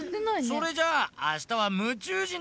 それじゃああしたはむちゅう